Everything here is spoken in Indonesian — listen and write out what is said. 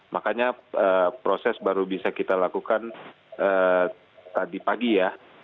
makanya proses baru bisa kita lakukan tadi pagi ya